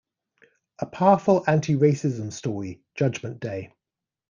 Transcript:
A powerful anti-racism story, Judgment Day!